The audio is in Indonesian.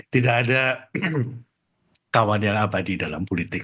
tidak ada kawan yang abadi dalam politik